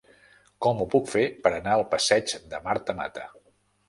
Com ho puc fer per anar al passeig de Marta Mata?